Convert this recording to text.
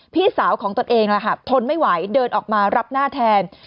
พี่สาวของตนเองทนไม่ไหวเดินออกมารับหน้าแทน